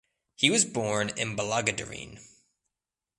He was born in Ballaghaderreen.